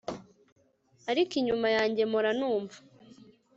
Ariko inyuma yanjye mpora numva